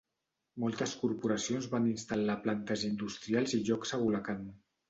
Moltes corporacions van instal·lar plantes industrials i llocs a Bulacan.